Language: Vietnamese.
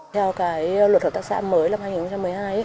theo cái luật hợp tác xã mới năm hai nghìn một mươi hai